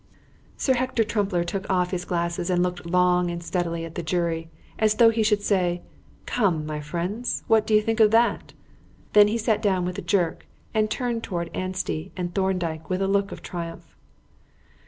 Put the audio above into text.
Sir Hector Trumpler took off his glasses and looked long and steadily at the jury as though he should say, "Come, my friends; what do you think of that?" Then he sat down with a jerk and turned towards Anstey and Thorndyke with a look of triumph.